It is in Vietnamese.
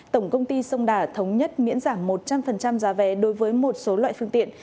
tổng công ty sông đà thống nhất miễn giảm một trăm linh giá vé đối với một số loại phương tiện